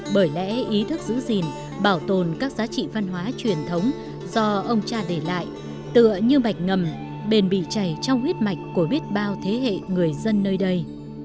bởi lẽ ý thức giữ gìn bảo tồn các giá trị văn hóa truyền thống do ông cha để lại tựa như mạch ngầm bền bị chảy trong huyết mạch của biết bao thế hệ người dân nơi đây